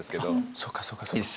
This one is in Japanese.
そうかそうかそうか。